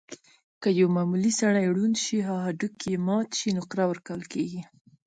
که یو معمولي سړی ړوند شي یا هډوکی یې مات شي، نقره ورکول کېږي.